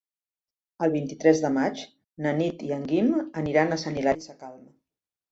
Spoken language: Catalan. El vint-i-tres de maig na Nit i en Guim aniran a Sant Hilari Sacalm.